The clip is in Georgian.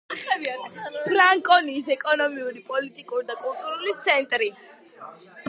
ფრანკონიის ეკონომიური, პოლიტიკური და კულტურული ცენტრი.